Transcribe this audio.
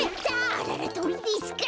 あららとりですか。